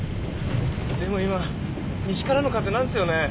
でも今西からの風なんですよね。